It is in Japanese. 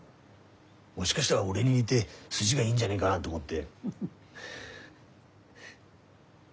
もしかしたら俺に似で筋がいいんじゃねえがなと思って。